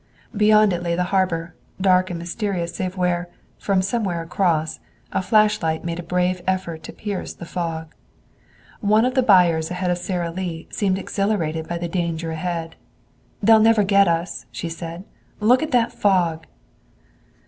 Beyond it lay the harbor, dark and mysterious save where, from somewhere across, a flashlight made a brave effort to pierce the fog. One of the buyers ahead of Sara Lee seemed exhilarated by the danger ahead. "They'll never get us," she said. "Look at that fog!"